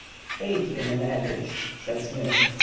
"Eighty on an average," said Smith.